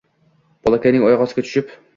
bolakayning oyoq ostiga tushib